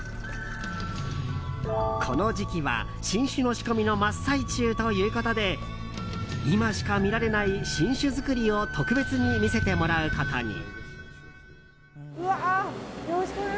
この時期は新酒の仕込みの真っ最中ということで今しか見られない新酒造りを特別に見せてもらうことに。